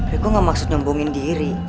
riku gak maksud nyombongin diri